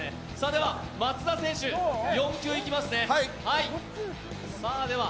では、松田選手、４球いきますね。